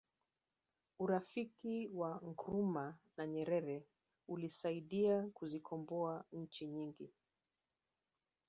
urafiki wa nkrumah na nyerere ulisaidia kuzikomboa nchi nyingi